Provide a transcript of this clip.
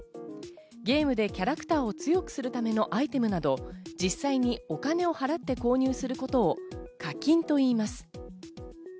ゲームでキャラクターを強くするためのアイテムなど、実際にお金を払って購入することを課金といいます。